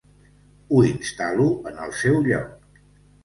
Ho instal·lo en el seu lloc.